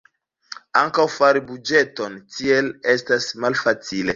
Ankaŭ fari buĝeton tiel estas malfacile.